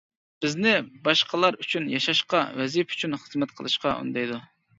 بىزنى باشقىلار ئۈچۈن ياشاشقا، ۋەزىپە ئۈچۈن خىزمەت قىلىشقا ئۈندەيدۇ.